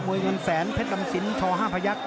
มวยเงินแสนเพศรำสินทห้าพระยักษ์